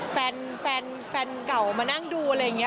แฟนเก่ามานั่งดูอะไรอย่างนี้